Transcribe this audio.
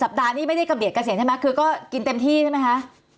ปัดนี้ไม่ได้กับเดียเกษียณใช่ไหมคือก็กินเต็มที่ใช่ไหมคะ